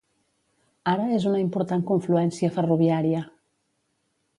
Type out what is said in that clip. Ara, és una important confluència ferroviària.